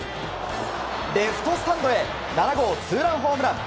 レフトスタンドへ７号ツーランホームラン。